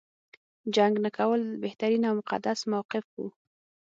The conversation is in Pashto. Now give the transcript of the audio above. جنګ نه کول بهترین او مقدس موقف و.